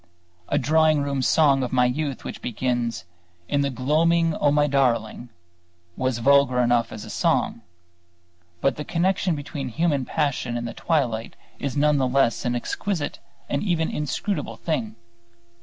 A drawing room song of my youth which began "In the gloaming, O, my darling," was vulgar enough as a song; but the connection between human passion and the twilight is none the less an exquisite and even inscrutable thing.